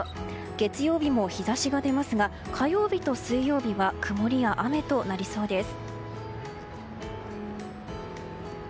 月曜日も日差しが出ますが火曜日と水曜日は曇りや雨となりそうです。